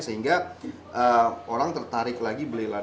sehingga orang tertarik lagi beli lari ya waktu itu